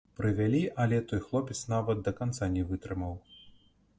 Прывялі, але той хлопец нават да канца не вытрымаў.